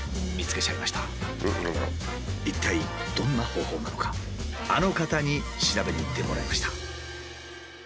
一体どんな方法なのかあの方に調べに行ってもらいました。